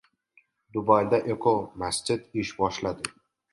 Dubayda eko-masjid ish boshladi